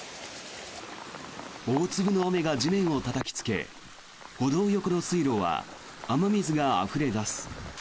大粒の雨が地面をたたきつけ歩道横の水路は雨水があふれ出す。